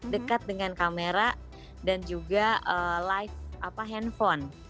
dekat dengan kamera dan juga live handphone